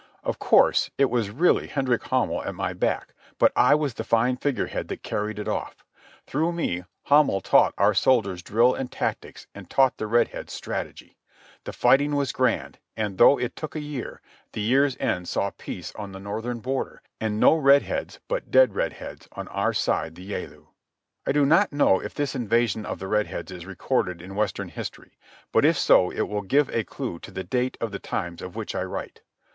Of course it was really Hendrik Hamel at my back, but I was the fine figure head that carried it off. Through me Hamel taught our soldiers drill and tactics and taught the Red Heads strategy. The fighting was grand, and though it took a year, the year's end saw peace on the northern border and no Red Heads but dead Red Heads on our side the Yalu. I do not know if this invasion of the Red Heads is recorded in Western history, but if so it will give a clue to the date of the times of which I write.